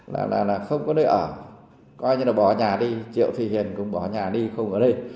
là không có nơi ở coi như là bỏ nhà đi triệu thì hiền cũng bỏ nhà đi không ở đây